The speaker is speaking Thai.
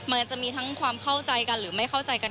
มันจะมีทั้งความเข้าใจกันหรือไม่เข้าใจกัน